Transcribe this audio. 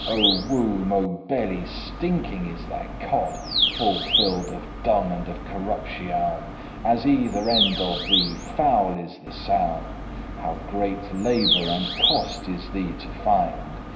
*belly O womb, O belly, stinking is thy cod,* *bag <15> Full fill'd of dung and of corruptioun; At either end of thee foul is the soun. How great labour and cost is thee to find!